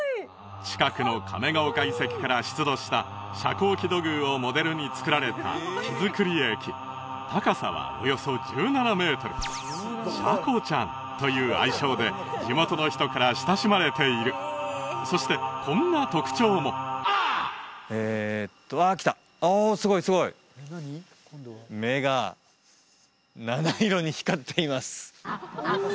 近くの亀ヶ岡遺跡から出土した遮光器土偶をモデルに造られた木造駅高さはおよそ１７メートルシャコちゃんという愛称で地元の人から親しまれているそしてこんな特徴もえーっとあっきたおおすごいすごい目が７色に光っています